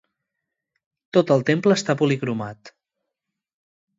Tot el temple està policromat.